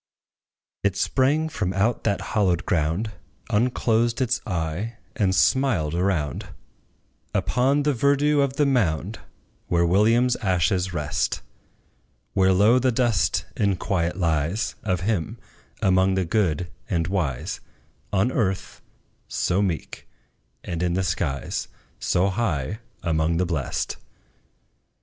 It sprang from out that hallowed ground, Unclosed its eye, and smiled around, Upon the verdure of the mound, Where WILLIAM's ashes rest; Where low the dust in quiet lies Of him, among the good and wise On earth, so meek, and in the skies So high among the blest.